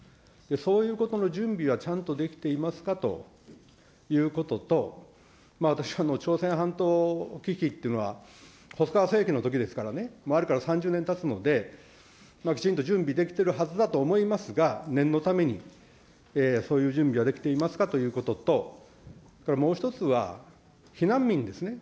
そういうことの準備がちゃんとできていますかということと、私、朝鮮半島危機っていうのは細川政権のときですからね、あれから３０年たつので、きちんと準備できてるはずだと思いますが、念のために、そういう準備ができていますかということと、それからもう１つは、避難民ですね。